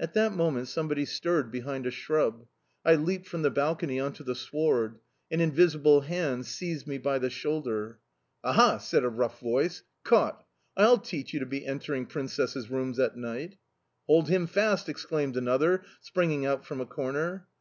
At that moment somebody stirred behind a shrub. I leaped from the balcony on to the sward. An invisible hand seized me by the shoulder. "Aha!" said a rough voice: "caught!... I'll teach you to be entering princesses' rooms at night!" "Hold him fast!" exclaimed another, springing out from a corner.